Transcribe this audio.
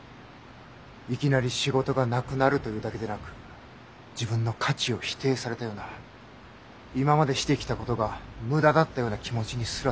いきなり仕事がなくなるというだけでなく自分の価値を否定されたような今までしてきたことが無駄だったような気持ちにすらなる。